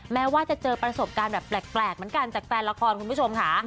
แม้ว่าจะเจอประสบการณ์แบบแปลกเหมือนกันจากแฟนละครคุณผู้ชมค่ะ